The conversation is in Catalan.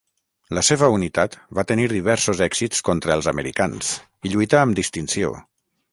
La seva unitat va tenir diversos èxits contra els americans i lluità amb distinció.